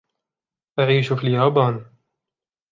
أعيش في اليابان.